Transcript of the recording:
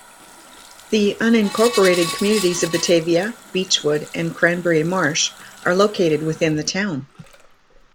The unincorporated communities of Batavia, Beechwood, and Cranberry Marsh are located within the town.